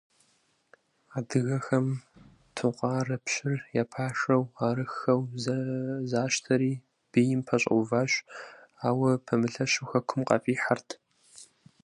Адыгэхэм Тукъарэ пщыр я пашэу арыххэу защтэри, бийм пэщӏэуващ, ауэ пэмылъэщу хэкум къафӏихьэрт.